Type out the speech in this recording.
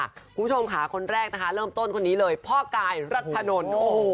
คุณผู้ชมค่ะคนแรกนะคะเริ่มต้นคนนี้เลยพ่อกายรัชนนท์